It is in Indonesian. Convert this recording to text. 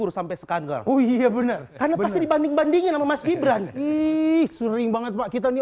oh iya benar karena pasti dibanding bandingin sama mas gibran ih sering banget pak kita nih